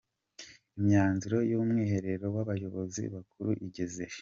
Imyanzuro y’umwiherero w’abayobozi bakuru igeze he?.